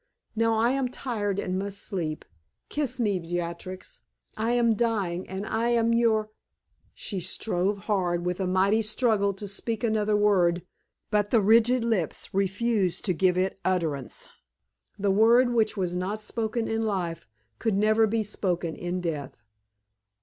Now I am tired and must sleep. Kiss me, Beatrix; I am dying, and I am your " She strove hard with a mighty struggle to speak another word, but the rigid lips refused to give it utterance. The word which was not spoken in life could never be spoken in death.